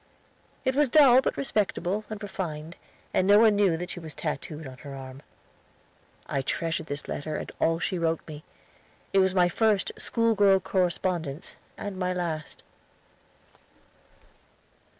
It was dull but respectable and refined, and no one knew that she was tattooed on the arm. I treasured this letter and all she wrote me. It was my first school girl correspondence and my last.